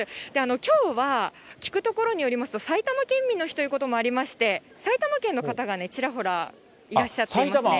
きょうは聞くところによりますと、埼玉県民の日ということもありまして、埼玉県の方がちらほらいらっしゃってますね。